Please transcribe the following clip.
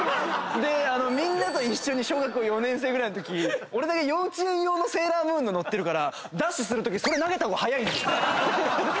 みんなと一緒に小学校４年生ぐらいのとき俺だけ幼稚園用のセーラームーンの乗ってるからダッシュするときそれ投げた方が速いんですよ。